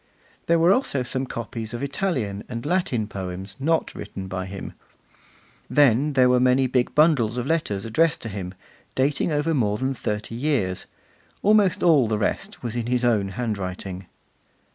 There were also some copies of Italian and Latin poems not written by him. Then there were many big bundles of letters addressed to him, dating over more than thirty years. Almost all the rest was in his own handwriting.